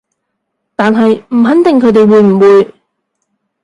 但係唔肯定佢哋會唔會